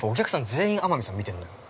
全員天海さん見てるもん。